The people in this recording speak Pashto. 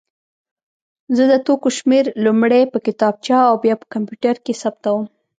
زه د توکو شمېر لومړی په کتابچه او بیا په کمپیوټر کې ثبتوم.